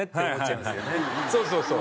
そうそうそう。